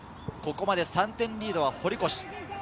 ここまで３点リードは堀越。